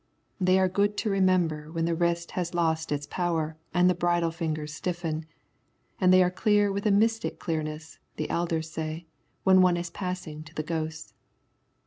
They are good to remember when the wrist has lost its power and the bridle fingers stiffen, and they are clear with a mystic clearness, the elders say, when one is passing to the ghosts.